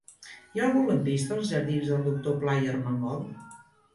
Hi ha algun lampista als jardins del Doctor Pla i Armengol?